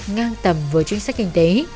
ngang tầm với chính sách kinh tế